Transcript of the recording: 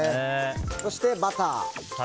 そして、バター。